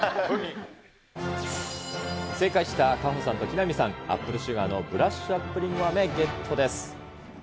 正解した夏帆さんと木南さん、アップルシュガーのブラッシュアップりんごあめ、ゲットです。